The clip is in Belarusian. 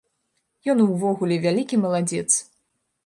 Ён увогуле вялікі маладзец!